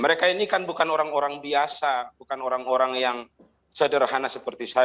mereka ini kan bukan orang orang biasa bukan orang orang yang sederhana seperti saya